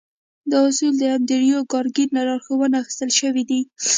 دا اصول د انډريو کارنګي له لارښوونو اخيستل شوي دي.